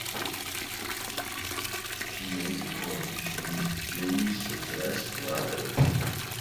She married the politician Jaime Sosa Escalada.